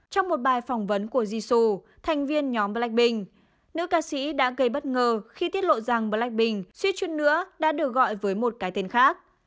trong một bài phỏng vấn của jisoo thành viên nhóm blackpink nữ ca sĩ đã gây bất ngờ khi tiết lộ rằng blackpink suýt chút nữa đã được gọi với một cái tên khác